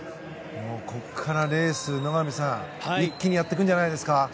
ここからレース野上さん、一気にやってくるんじゃないですか。